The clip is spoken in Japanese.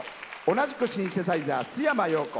同じくシンセサイザー、須山陽子。